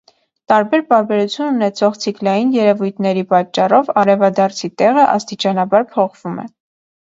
Տարբեր պարբերություն ունեցող ցիկլային երևույթների պատճառով արևադարձի տեղը աստիճանաբար փոխվում է։